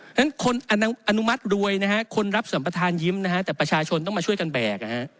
ฉะนั้นคนอนุมัติรวยนะฮะคนรับสัมประธานยิ้มนะฮะแต่ประชาชนต้องมาช่วยกันแบก